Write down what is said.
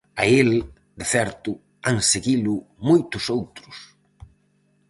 A el, de certo, han seguilo moitos outros.